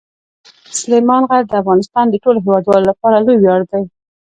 سلیمان غر د افغانستان د ټولو هیوادوالو لپاره لوی ویاړ دی.